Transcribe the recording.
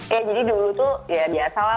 ya jadi dulu tuh ya biasa lah